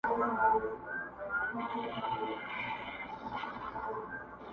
ورو په ورو د لېوه خواته ور نیژدې سو!!